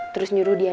terus nyuruh dia masuk